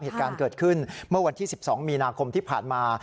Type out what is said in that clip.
เหตุการณ์เกิดขึ้นเมื่อวันที่๑๒มีนาคมที่ผ่านมา